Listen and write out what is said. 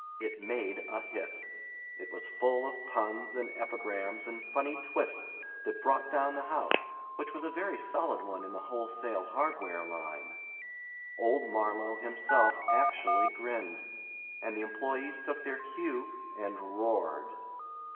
It made a hit. It was full of puns and epigrams and funny twists that brought down the house—which was a very solid one in the wholesale hardware line. Old Marlowe himself actually grinned, and the employees took their cue and roared.